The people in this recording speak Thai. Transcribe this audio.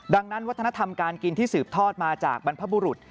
ดังนั้นวัฒนธรรมการกินที่สืบทอดมาจากบรรพบุรุษ